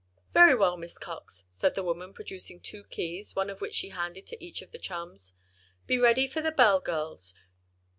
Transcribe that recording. "Very well, Miss Cox," said the woman, producing two keys, one of which she handed to each of the chums. "Be ready for the bell, girls.